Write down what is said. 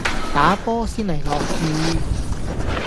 打波先嚟落雨